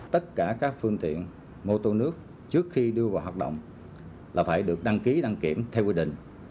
tất cả các phương tiện mô tô nước trước khi đưa vào hoạt động là phải được đăng ký đăng kiểm theo quy định